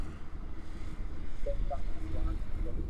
ڪي ڪاو وات ھي